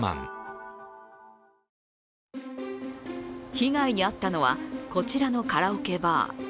被害に遭ったのは、こちらのカラオケバー。